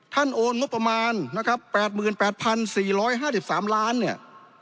ท่านโอนงบประมาณ๘๘๔๕๓ล้านเนี่ย